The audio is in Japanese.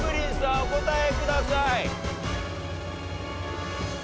お答えください。